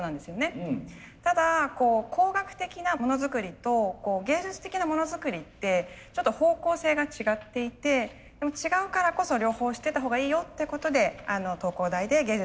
ただ工学的なものづくりと芸術的なものづくりってちょっと方向性が違っていてでも違うからこそ両方知ってたほうがいいよってことで東工大で芸術の授業を教えています。